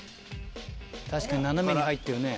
確かに斜めに入ってるね。